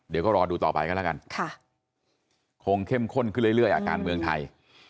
เดี๋ยวก็รอดูต่อไปกันแล้วกันคงเข้มข้นขึ้นเรื่อยการเมืองไทย